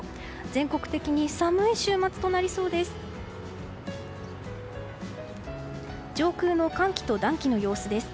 全国的に寒い週末となりそうです。